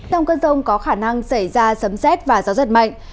trong cơn rông có khả năng xảy ra sấm xét và gió giật mạnh